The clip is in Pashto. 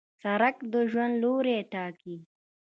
سړک د ژوند لوری ټاکي.